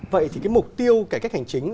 vậy thì mục tiêu cải cách hành chính